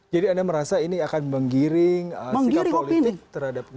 jadi anda merasa ini akan menggiring sikap politik terhadap dia